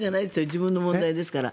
自分の問題ですから。